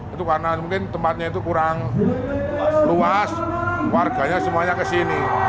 itu karena mungkin tempatnya itu kurang luas warganya semuanya kesini